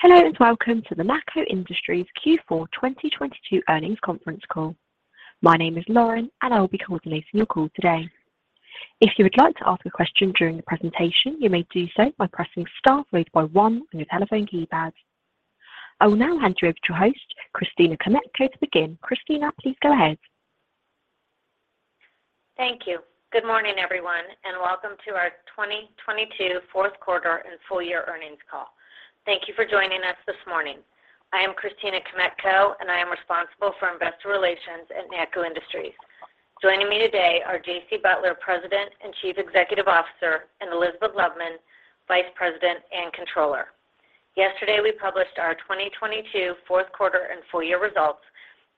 Hello, and welcome to the NACCO Industries Q4 2022 Earnings Conference Call. My name is Lauren, and I will be coordinating your call today. If you would like to ask a question during the presentation, you may do so by pressing star one on your telephone keypad. I will now hand you over to your host, Christina Kmetko, to begin. Christina, please go ahead. Thank you. Good morning, everyone, and welcome to our 2022 fourth quarter and full year earnings call. Thank you for joining us this morning. I am Christina Kmetko, and I am responsible for investor relations at NACCO Industries. Joining me today are J.C. Butler, President and Chief Executive Officer, and Elizabeth Loveman, Vice President and Controller. Yesterday, we published our 2022 fourth quarter and full year results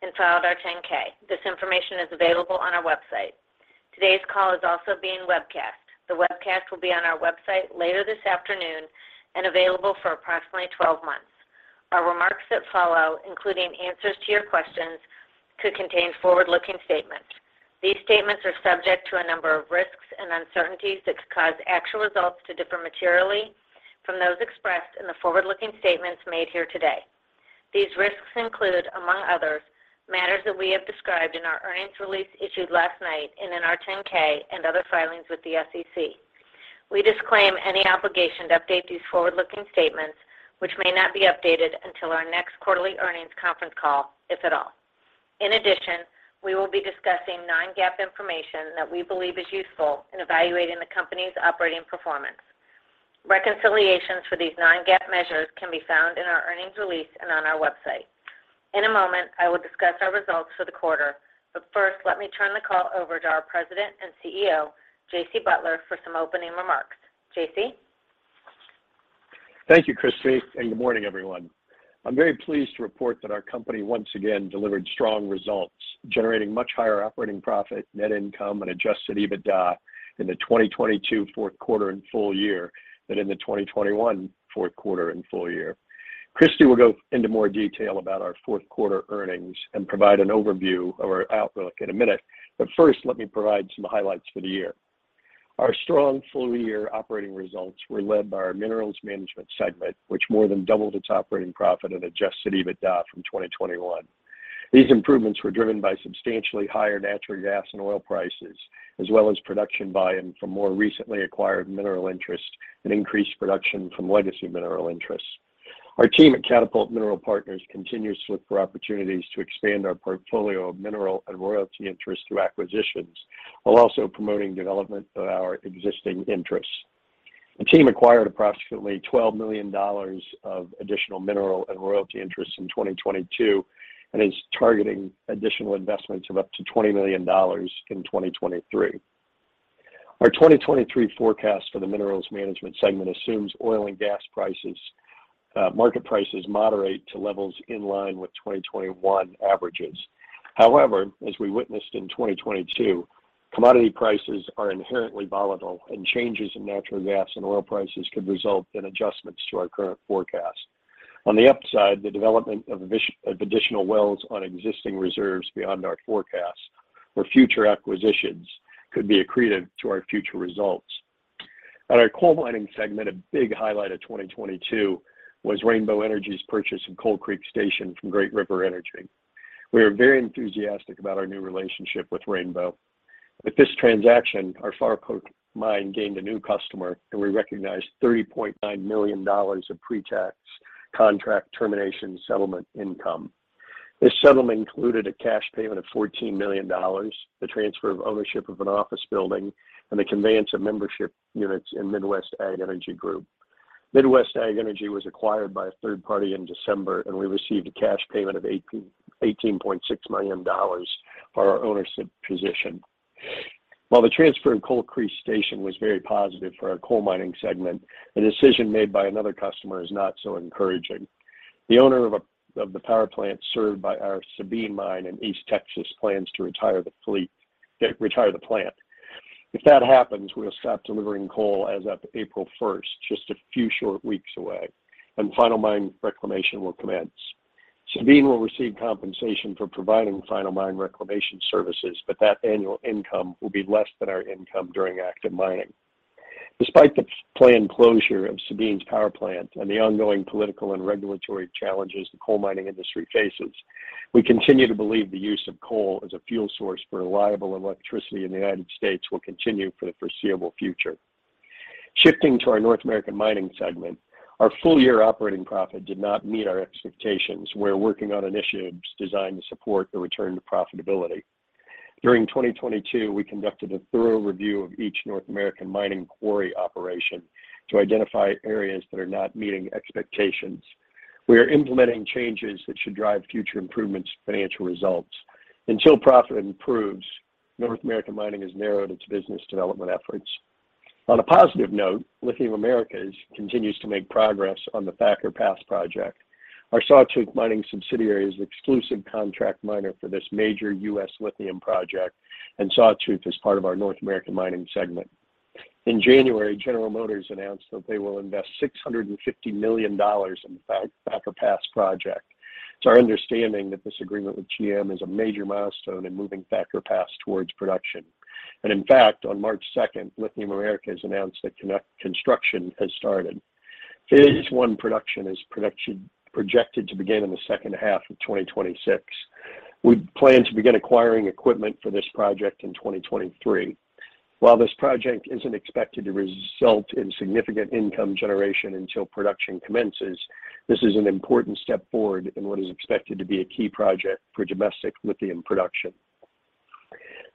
and filed our 10-K. This information is available on our website. Today's call is also being webcast. The webcast will be on our website later this afternoon and available for approximately 12 months. Our remarks that follow, including answers to your questions, could contain forward-looking statements. These statements are subject to a number of risks and uncertainties that could cause actual results to differ materially from those expressed in the forward-looking statements made here today. These risks include, among others, matters that we have described in our earnings release issued last night and in our 10-K and other filings with the SEC. We disclaim any obligation to update these forward-looking statements, which may not be updated until our next quarterly earnings conference call, if at all. In addition, we will be discussing non-GAAP information that we believe is useful in evaluating the company's operating performance. Reconciliations for these non-GAAP measures can be found in our earnings release and on our website. In a moment, I will discuss our results for the quarter, but first, let me turn the call over to our President and CEO, J.C. Butler, for some opening remarks. J.C.? Thank you, Christie. Good morning, everyone. I'm very pleased to report that our company once again delivered strong results, generating much higher operating profit, net income, and adjusted EBITDA in the 2022 fourth quarter and full year than in the 2021 fourth quarter and full year. Christie will go into more detail about our fourth quarter earnings and provide an overview of our outlook in a minute. First, let me provide some highlights for the year. Our strong full-year operating results were led by our Minerals Management segment, which more than doubled its operating profit and adjusted EBITDA from 2021. These improvements were driven by substantially higher natural gas and oil prices, as well as production buy-in from more recently acquired mineral interest and increased production from legacy mineral interests. Our team at Catapult Mineral Partners continues to look for opportunities to expand our portfolio of mineral and royalty interest through acquisitions while also promoting development of our existing interests. The team acquired approximately $12 million of additional mineral and royalty interests in 2022 and is targeting additional investments of up to $20 million in 2023. Our 2023 forecast for the Minerals Management segment assumes oil and gas prices, market prices moderate to levels in line with 2021 averages. However, as we witnessed in 2022, commodity prices are inherently volatile and changes in natural gas and oil prices could result in adjustments to our current forecast. On the upside, the development of additional wells on existing reserves beyond our forecast or future acquisitions could be accretive to our future results. On our Coal Mining segment, a big highlight of 2022 was Rainbow Energy's purchase of Coal Creek Station from Great River Energy. We are very enthusiastic about our new relationship with Rainbow. With this transaction, our Falkirk Mine gained a new customer, and we recognized $30.9 million of pre-tax contract termination settlement income. This settlement included a cash payment of $14 million, the transfer of ownership of an office building, and the conveyance of membership units in Midwest Ag Energy Group. Midwest Ag Energy was acquired by a third party in December, and we received a cash payment of $18.6 million for our ownership position. While the transfer of Coal Creek Station was very positive for our Coal Mining segment, a decision made by another customer is not so encouraging. The owner of the power plant served by our Sabine Mine in East Texas plans to retire the plant. If that happens, we'll stop delivering coal as of April 1st, just a few short weeks away, and final mine reclamation will commence. Sabine will receive compensation for providing final mine reclamation services, but that annual income will be less than our income during active mining. Despite the planned closure of Sabine's power plant and the ongoing political and regulatory challenges the coal mining industry faces, we continue to believe the use of coal as a fuel source for reliable electricity in the United States will continue for the foreseeable future. Shifting to our North American Mining segment, our full-year operating profit did not meet our expectations. We're working on initiatives designed to support the return to profitability. During 2022, we conducted a thorough review of each North American Mining quarry operation to identify areas that are not meeting expectations. We are implementing changes that should drive future improvements to financial results. Until profit improves, North American Mining has narrowed its business development efforts. On a positive note, Lithium Americas continues to make progress on the Thacker Pass project. Our Sawtooth Mining subsidiary is the exclusive contract miner for this major U.S. lithium project, and Sawtooth is part of our North American Mining segment. In January, General Motors announced that they will invest $650 million in Thacker Pass project. It's our understanding that this agreement with GM is a major milestone in moving Thacker Pass towards production. In fact, on March 2nd, Lithium Americas announced that construction has started. Phase one production is projected to begin in the second half of 2026. We plan to begin acquiring equipment for this project in 2023. While this project isn't expected to result in significant income generation until production commences, this is an important step forward in what is expected to be a key project for domestic lithium production.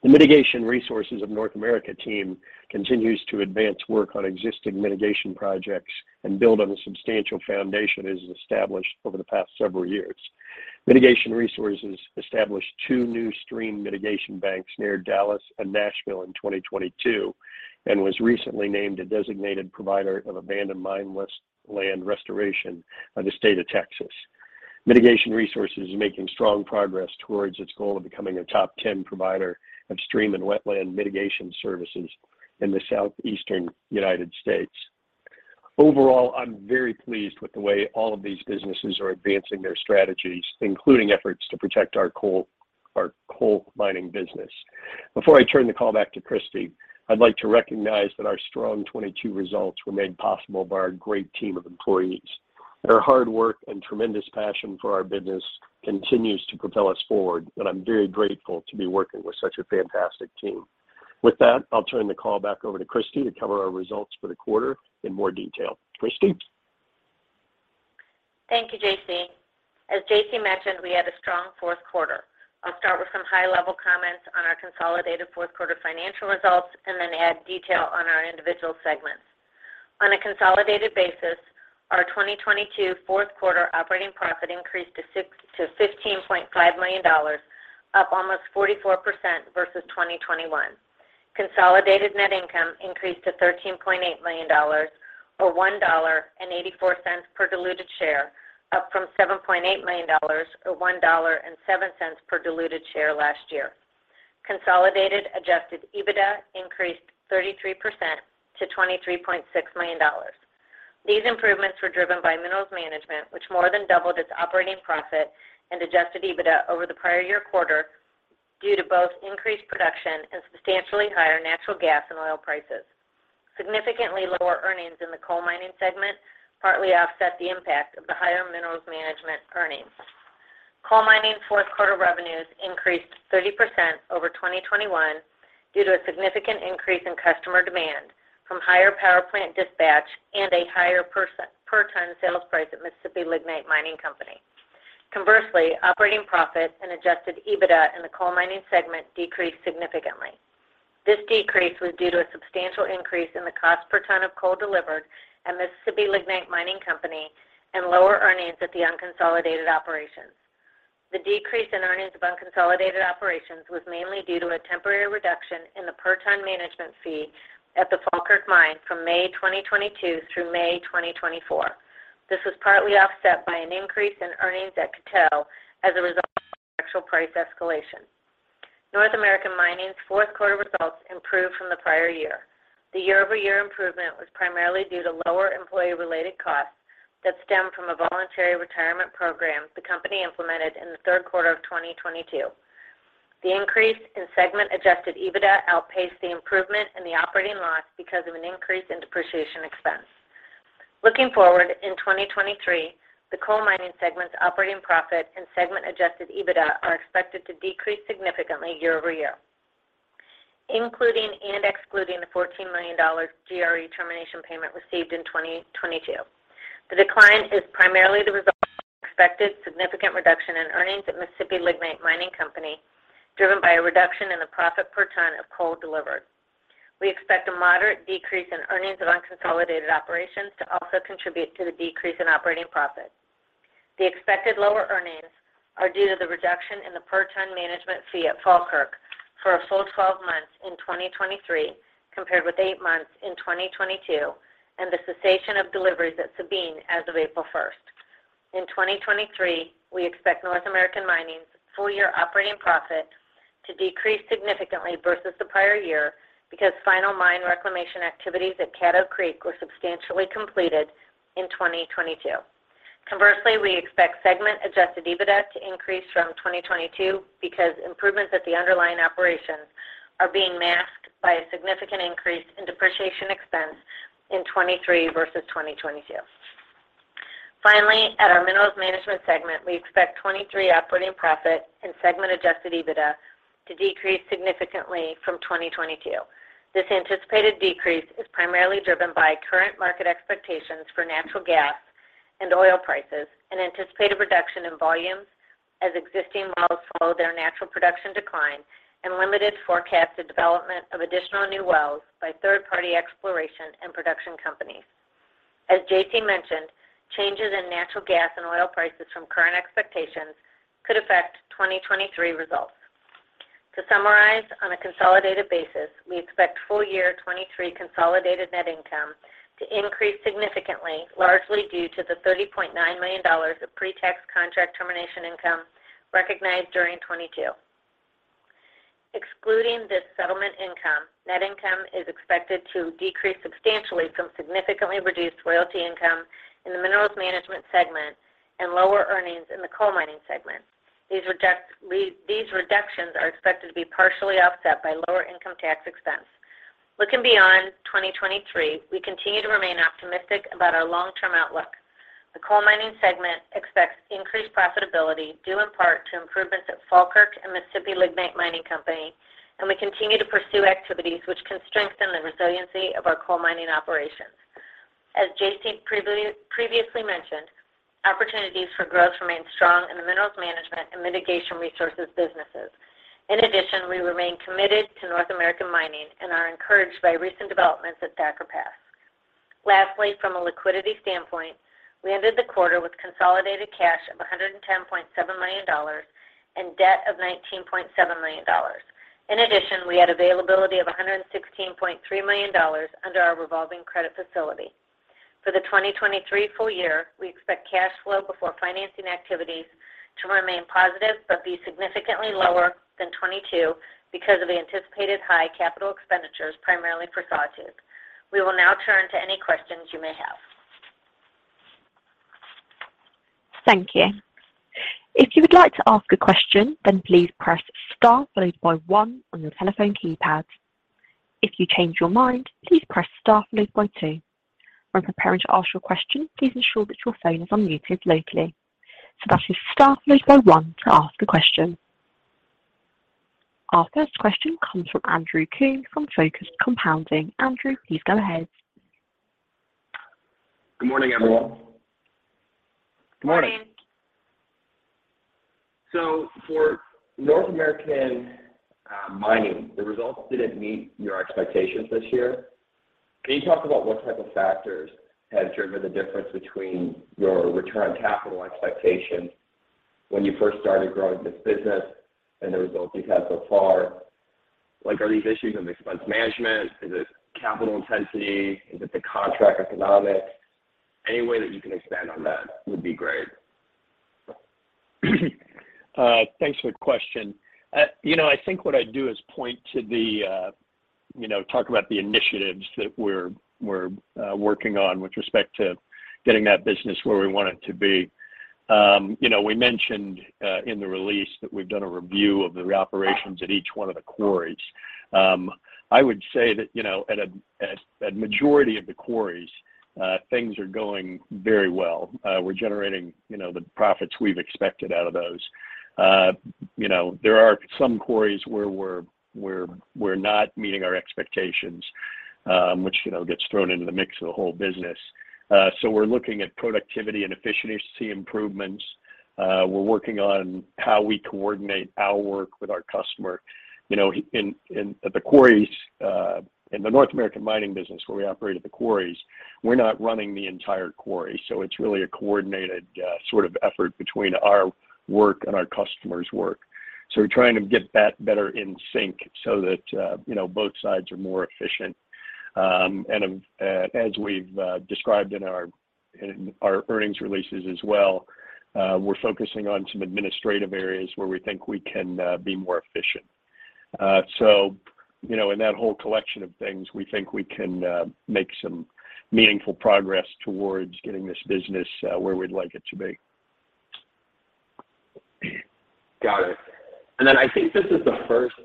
The Mitigation Resources of North America team continues to advance work on existing mitigation projects and build on the substantial foundation it has established over the past several years. Mitigation Resources established two new stream mitigation banks near Dallas and Nashville in 2022, and was recently named a designated provider of abandoned mine land restoration by the state of Texas. Mitigation Resources is making strong progress towards its goal of becoming a top 10 provider of stream and wetland mitigation services in the Southeastern United States. Overall, I'm very pleased with the way all of these businesses are advancing their strategies, including efforts to protect our coal mining business. Before I turn the call back to Christie, I'd like to recognize that our strong 2022 results were made possible by our great team of employees. Their hard work and tremendous passion for our business continues to propel us forward,`` and I'm very grateful to be working with such a fantastic team. With that, I'll turn the call back over to Christie to cover our results for the quarter in more detail. Christie? Thank you, J.C. As J.C. mentioned, we had a strong fourth quarter. I'll start with some high-level comments on our consolidated fourth quarter financial results and then add detail on our individual segments. On a consolidated basis, our 2022 fourth quarter operating profit increased to $15.5 million, up almost 44% versus 2021. Consolidated net income increased to $13.8 million, or $1.84 per diluted share, up from $7.8 million, or $1.07 per diluted share last year. Consolidated adjusted EBITDA increased 33% to $23.6 million. These improvements were driven by Minerals Management, which more than doubled its operating profit and adjusted EBITDA over the prior year quarter due to both increased production and substantially higher natural gas and oil prices. Significantly lower earnings in the Coal Mining segment partly offset the impact of the higher Minerals Management earnings. Coal Mining fourth quarter revenues increased 30% over 2021 due to a significant increase in customer demand from higher power plant dispatch and a higher per-ton sales price at Mississippi Lignite Mining Company. Conversely, operating profit and adjusted EBITDA in the Coal Mining segment decreased significantly. This decrease was due to a substantial increase in the cost per ton of coal delivered at Mississippi Lignite Mining Company and lower earnings at the unconsolidated operations. The decrease in earnings of unconsolidated operations was mainly due to a temporary reduction in the per-ton management fee at the Falkirk Mine from May 2022 through May 2024. This was partly offset by an increase in earnings at Coteau as a result of actual price escalation. North American Mining's fourth quarter results improved from the prior year. The year-over-year improvement was primarily due to lower employee-related costs that stemmed from a voluntary retirement program the company implemented in the third quarter of 2022. The increase in segment adjusted EBITDA outpaced the improvement in the operating loss because of an increase in depreciation expense. Looking forward, in 2023, the Coal Mining segment's operating profit and segment adjusted EBITDA are expected to decrease significantly year-over-year, including and excluding the $14 million GRE termination payment received in 2022. The decline is primarily the result of expected significant reduction in earnings at Mississippi Lignite Mining Company, driven by a reduction in the profit per ton of coal delivered. We expect a moderate decrease in earnings of unconsolidated operations to also contribute to the decrease in operating profit. The expected lower earnings are due to the reduction in the per-ton management fee at Falkirk for a full 12 months in 2023, compared with eight months in 2022, and the cessation of deliveries at Sabine as of April 1st. In 2023, we expect North American Mining's full-year operating profit to decrease significantly versus the prior year because final mine reclamation activities at Caddo Creek were substantially completed in 2022. Conversely, we expect segment adjusted EBITDA to increase from 2022 because improvements at the underlying operations are being masked by a significant increase in depreciation expense in 2023 versus 2022. Finally, at our Minerals Management segment, we expect 2023 operating profit and segment adjusted EBITDA to decrease significantly from 2022. This anticipated decrease is primarily driven by current market expectations for natural gas and oil prices, an anticipated reduction in volumes as existing wells follow their natural production decline, and limited forecasted development of additional new wells by third-party exploration and production companies. As J.C. mentioned, changes in natural gas and oil prices from current expectations could affect 2023 results. To summarize, on a consolidated basis, we expect full-year 2023 consolidated net income to increase significantly, largely due to the $30.9 million of pretax contract termination income recognized during 2022. Excluding this settlement income, net income is expected to decrease substantially from significantly reduced royalty income in the Minerals Management segment and lower earnings in the Coal Mining segment. These reductions are expected to be partially offset by lower income tax expense. Looking beyond 2023, we continue to remain optimistic about our long-term outlook. The Coal Mining segment expects increased profitability, due in part to improvements at Falkirk and Mississippi Lignite Mining Company. We continue to pursue activities which can strengthen the resiliency of our Coal Mining operations. As J.C. previously mentioned, opportunities for growth remain strong in the Minerals Management and Mitigation Resources businesses. We remain committed to North American Mining and are encouraged by recent developments at Thacker Pass. From a liquidity standpoint, we ended the quarter with consolidated cash of $110.7 million and debt of $19.7 million. We had availability of $116.3 million under our revolving credit facility. For the 2023 full year, we expect cash flow before financing activities to remain positive but be significantly lower than 2022 because of anticipated high capital expenditures, primarily for Sawtooth. We will now turn to any questions you may have. Thank you. If you would like to ask a question, please press star followed by one on your telephone keypad. If you change your mind, please press star followed by two. When preparing to ask your question, please ensure that your phone is unmuted locally. That is star followed by one to ask a question. Our first question comes from Andrew Kuhn from Focused Compounding. Andrew, please go ahead. Good morning, everyone. Good morning. For North American Mining, the results didn't meet your expectations this year. Can you talk about what type of factors have driven the difference between your return on capital expectations when you first started growing this business and the results you've had so far? Are these issues of expense management? Is it capital intensity? Is it the contract economics? Any way that you can expand on that would be great. Thanks for the question. You know, I think what I'd do is point to the, you know, talk about the initiatives that we're working on with respect to getting that business where we want it to be. You know, we mentioned in the release that we've done a review of the operations at each one of the quarries. I would say that, you know, at a majority of the quarries, things are going very well. We're generating, you know, the profits we've expected out of those. You know, there are some quarries where we're not meeting our expectations, which, you know, gets thrown into the mix of the whole business. We're looking at productivity and efficiency improvements. We're working on how we coordinate our work with our customer. You know, in the quarries, in the North American Mining business, where we operate at the quarries, we're not running the entire quarry, so it's really a coordinated sort of effort between our work and our customers' work. We're trying to get that better in sync so that, you know, both sides are more efficient. As we've described in our, in our earnings releases as well, we're focusing on some administrative areas where we think we can be more efficient. You know, in that whole collection of things, we think we can make some meaningful progress towards getting this business where we'd like it to be. Got it. Then I think this is the first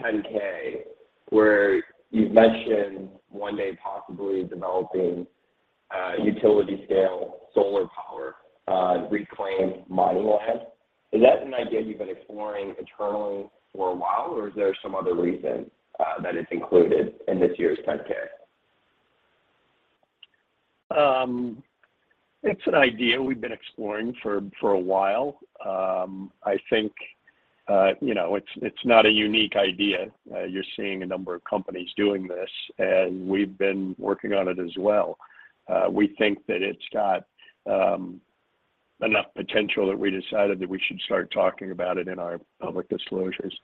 10-K where you've mentioned one day possibly developing utility scale solar power, reclaimed mining land. Is that an idea you've been exploring internally for a while, or is there some other reason that it's included in this year's 10-K? It's an idea we've been exploring for a while. I think, you know, it's not a unique idea. You're seeing a number of companies doing this, and we've been working on it as well. We think that it's got enough potential that we decided that we should start talking about it in our public disclosures.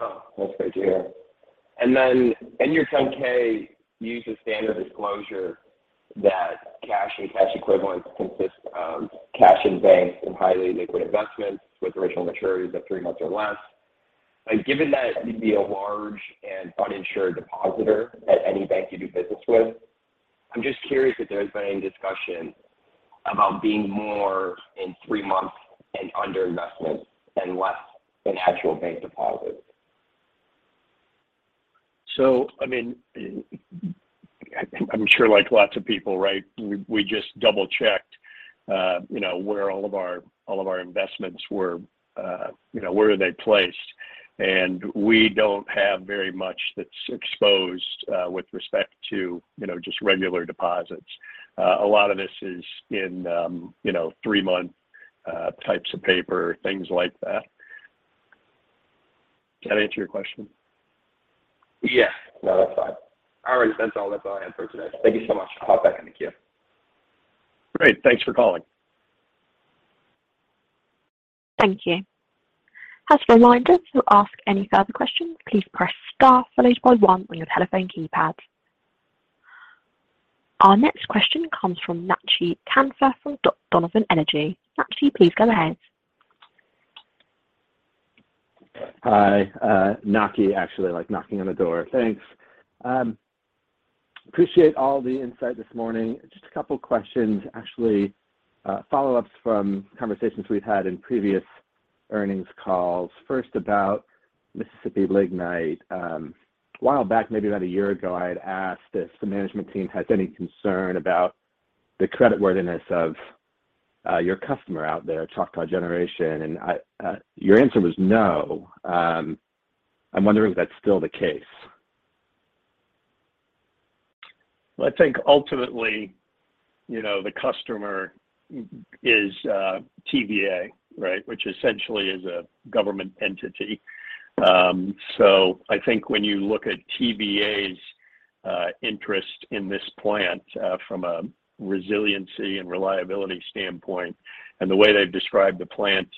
Oh, that's great to hear. In your 10-K, you use a standard disclosure that cash and cash equivalents consist of cash in banks and highly liquid investments with original maturities of three months or less. Given that you'd be a large and uninsured depositor at any bank you do business with, I'm just curious if there's been any discussion about being more in three-month and under investments and less in actual bank deposits. I mean, I'm sure like lots of people, right, we just double-checked, you know, where all of our investments were, you know, where are they placed? We don't have very much that's exposed, with respect to, you know, just regular deposits. A lot of this is in, you know, three-month types of paper, things like that. Did that answer your question? Yes. No, that's fine. All right. That's all. That's all I have for today. Thank you so much. I'll hop back in the queue. Great. Thanks for calling. Thank you. As a reminder, to ask any further questions, please press Star followed by one on your telephone keypad. Our next question comes from Nachy Kanfer from Donovan Energy. Nachy, please go ahead. Hi, Knocky, actually, like knocking on the door. Thanks. Appreciate all the insight this morning. Just a couple questions, actually, follow-ups from conversations we've had in previous earnings calls. First, about Mississippi Lignite. A while back, maybe about a year ago, I had asked if the management team had any concern about the creditworthiness of your customer out there, Choctaw Generation. I, your answer was no. I'm wondering if that's still the case. I think ultimately, you know, the customer is TVA, right? Which essentially is a government entity. I think when you look at TVA's interest in this plant from a resiliency and reliability standpoint and the way they've described the plant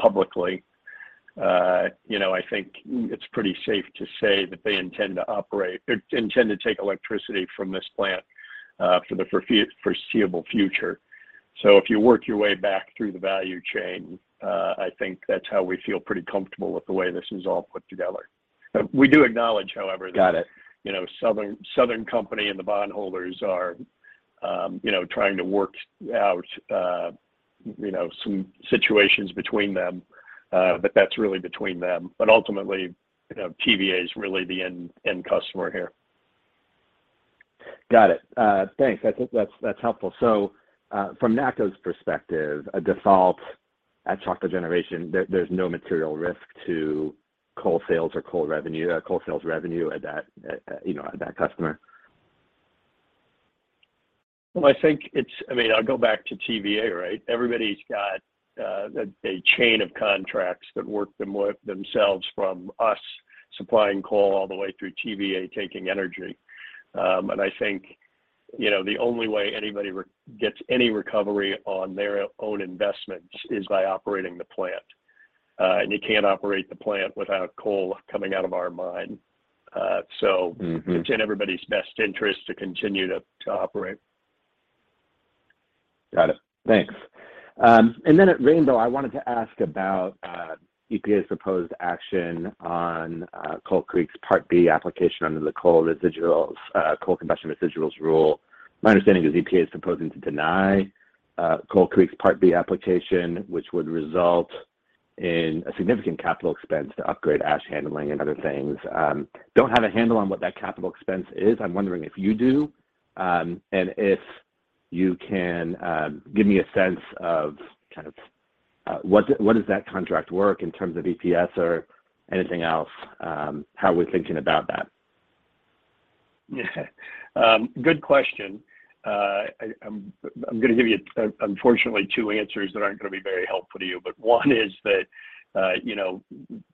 publicly, you know, I think it's pretty safe to say that they intend to operate, they intend to take electricity from this plant for the foreseeable future. If you work your way back through the value chain, I think that's how we feel pretty comfortable with the way this is all put together. We do acknowledge, however. Got it. ...you know, Southern Company and the bondholders are, you know, trying to work out, you know, some situations between them. That's really between them. Ultimately, you know, TVA is really the end customer here. Got it. Thanks. I think that's helpful. From NACCO's perspective, a default at Choctaw Generation, there's no material risk to coal sales or coal revenue, coal sales revenue at that, you know, at that customer. Well, I think I mean, I'll go back to TVA, right? Everybody's got a chain of contracts that work themselves from us supplying coal all the way through TVA taking energy. I think, you know, the only way anybody gets any recovery on their own investments is by operating the plant. You can't operate the plant without coal coming out of our mine. Mm-hmm ...it's in everybody's best interest to continue to operate. Got it. Thanks. At Rainbow, I wanted to ask about EPA's proposed action on Coal Creek's Part B application under the Coal Combustion Residuals Rule. My understanding is EPA is proposing to deny Coal Creek's Part B application, which would result in a significant capital expense to upgrade ash handling and other things. Don't have a handle on what that capital expense is. I'm wondering if you do, and if you can give me a sense of kind of what does that contract work in terms of EPS or anything else, how we're thinking about that? Yeah. Good question. I'm gonna give you unfortunately two answers that aren't gonna be very helpful to you. One is that, you know,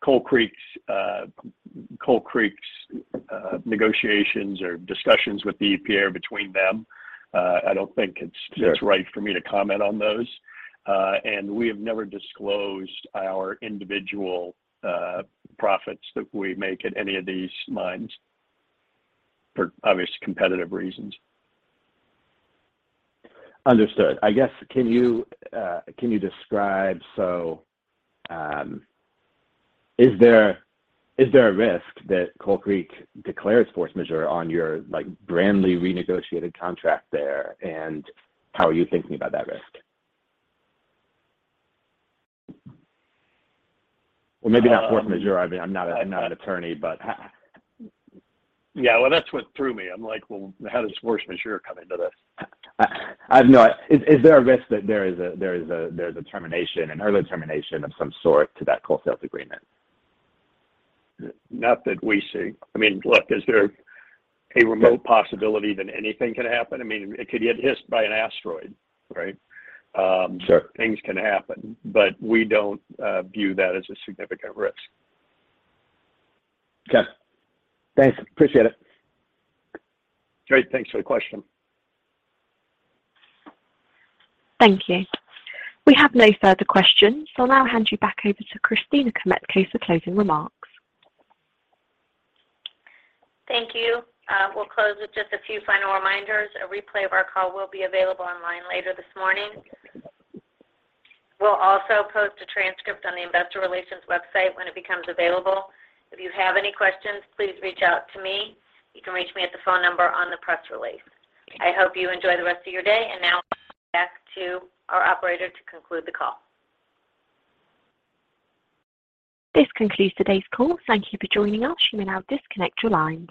Coal Creek's negotiations or discussions with the EPA are between them. I don't think. Sure ...it's right for me to comment on those. We have never disclosed our individual profits that we make at any of these mines for obvious competitive reasons. Understood. I guess, can you describe. Is there a risk that Coal Creek declares force majeure on your, like, brandly renegotiated contract there, and how are you thinking about that risk? Maybe not force majeure. I mean, I'm not an attorney. Yeah, well, that's what threw me. I'm like, well, how does force majeure come into this? I have no is there a risk that there's a termination, an early termination of some sort to that coal sales agreement? Not that we see. I mean, look, is there a remote possibility that anything can happen? I mean, it could get hit by an asteroid, right? Sure ...things can happen, but we don't, view that as a significant risk. Okay. Thanks. Appreciate it. Great. Thanks for the question. Thank you. We have no further questions. I'll now hand you back over to Christina Kmetko for closing remarks. Thank you. We'll close with just a few final reminders. A replay of our call will be available online later this morning. We'll also post a transcript on the investor relations website when it becomes available. If you have any questions, please reach out to me. You can reach me at the phone number on the press release. I hope you enjoy the rest of your day, and now back to our operator to conclude the call. This concludes today's call. Thank Thank you for joining us. You may now disconnect your lines.